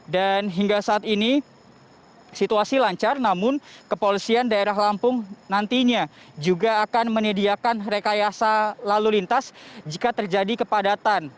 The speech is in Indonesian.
dan hingga saat ini situasi lancar namun kepolisian daerah lampung nantinya juga akan menyediakan rekayasa lalu lintas jika terjadi kepadatan